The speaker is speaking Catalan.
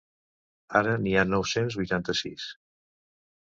Ara n’hi ha nou-cents vuitanta-sis.